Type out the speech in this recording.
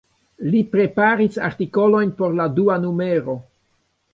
Li preparis artikolojn por la dua numero.